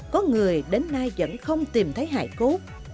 có người đến nay vẫn không tìm thấy hải cốt